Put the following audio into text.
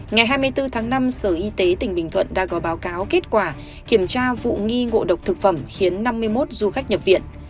ngày hai mươi bốn tháng năm sở y tế tỉnh bình thuận đã có báo cáo kết quả kiểm tra vụ nghi ngộ độc thực phẩm khiến năm mươi một du khách nhập viện